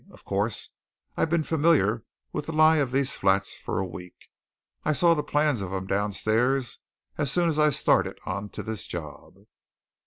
Of course, I've been familiar with the lie of these flats for a week I saw the plans of 'em downstairs as soon as I started on to this job."